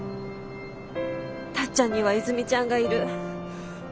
タッちゃんには和泉ちゃんがいる。